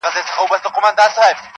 د تقدیر لوبه روانه پر خپل پله وه -